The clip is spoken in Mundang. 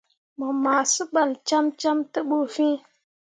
Mu ma sebal cemme te bu fin.